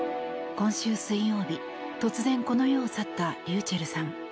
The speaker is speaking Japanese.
今週水曜日突然この世を去ったｒｙｕｃｈｅｌｌさん。